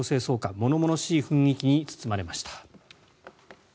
物々しい雰囲気に包まれました。